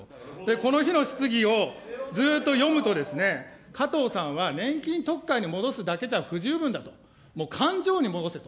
この日の質疑をずっと読むとですね、加藤さんは年金特会に戻すだけじゃ不十分だと、もう勘定に戻せと。